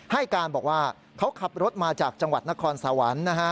ให้การบอกว่าเขาขับรถมาจากจังหวัดนครสวรรค์นะฮะ